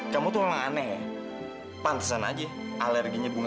kok papa ada di sini sih pa